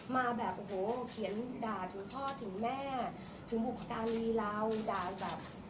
มาแบบโอ้โหเขียนด่าถึงพ่อถึงแม่ถึงบุคการีเราด่าแบบ